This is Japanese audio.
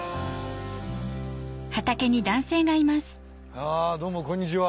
あどうもこんにちは。